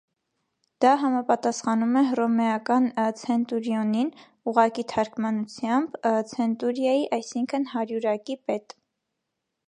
Դա համապատասպխանում է հռոմեական ցենտուրիոնին՝ ուղղակի թարգմանությամբ՝ ՙցենոտւրիայի՚ այսիքն՝ հարյուրյակի պետ։